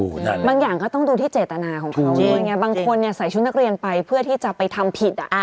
อืมบางอย่างก็ต้องดูที่เจตนาของเขาบางคนใส่ชุดนักเรียนไปเพื่อที่จะไปทำผิด